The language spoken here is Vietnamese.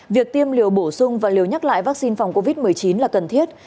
việc tiêm liều bổ sung và liều nhắc lại vaccine phòng covid một mươi chín là cần thiết